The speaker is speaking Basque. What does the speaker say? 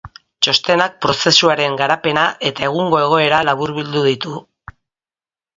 Txostenak prozesuaren garapena eta egungo egoera laburbildu ditu.